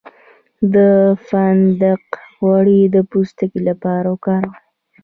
د فندق غوړي د پوستکي لپاره وکاروئ